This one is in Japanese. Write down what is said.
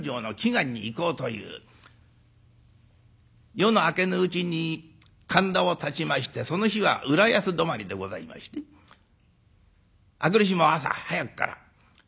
夜の明けぬうちに神田をたちましてその日は浦安どまりでございまして明くる日も朝早くから。